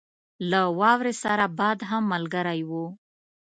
له واورې سره باد هم ملګری وو.